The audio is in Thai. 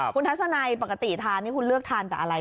คุณทัศนัยปกติทานนี่คุณเลือกทานแต่อะไร